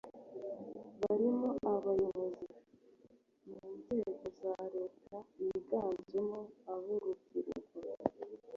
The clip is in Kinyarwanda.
barimo abayobozi mu nzego za leta biganjemo ab’urubyiruko